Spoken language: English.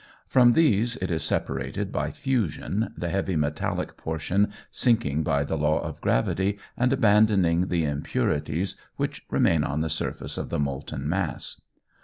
From these it is separated by fusion, the heavy metallic portion sinking by the law of gravity, and abandoning the impurities which remain on the surface of the molten mass.